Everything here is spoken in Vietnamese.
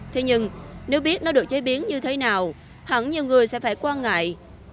thế nhưng nếu biết nó được chế biến như thế nào hẳn nhiều người sẽ phải quan ngại